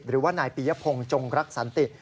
หรือว่านายปียพงศ์จงรักสันติ